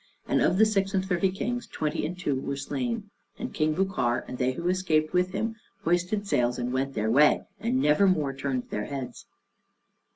And of the six and thirty kings, twenty and two were slain. And King Bucar and they who escaped with him hoisted sails and went their way, and never more turned their heads.